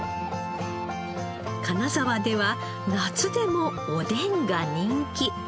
金沢では夏でもおでんが人気。